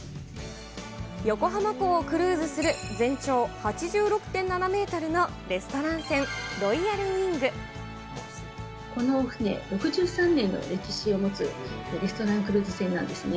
横浜港をクルーズする全長８６．７メートルのレストラン船、この船、６３年の歴史を持つレストランクルーズ船なんですね。